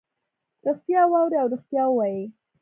ریښتیا واوري او ریښتیا ووایي.